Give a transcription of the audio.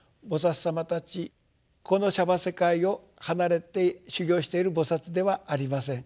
この娑婆世界を離れて修行している菩薩ではありません。